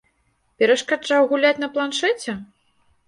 Перашкаджаў гуляць на планшэце?